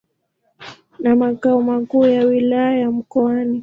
na makao makuu ya Wilaya ya Mkoani.